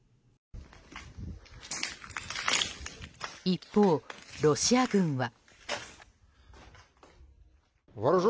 一方、ロシア軍は。